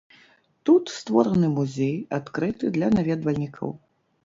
Тут створаны музей, адкрыты для наведвальнікаў.